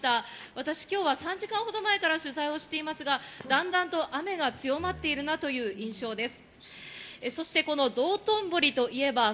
私、きょうは３時間ほど前から取材していますが、段々と雨が強まっているなという印象です。